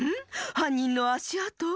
はんにんのあしあと？